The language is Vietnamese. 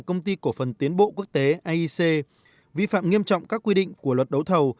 công ty cổ phần tiến bộ quốc tế aic vi phạm nghiêm trọng các quy định của luật đấu thầu